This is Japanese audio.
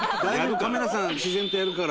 カメラさん、自然とやるから。